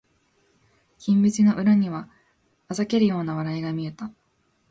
金縁の裏には嘲るような笑いが見えた